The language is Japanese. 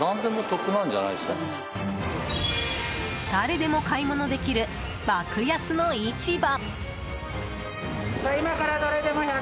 誰でも買い物できる爆安の市場。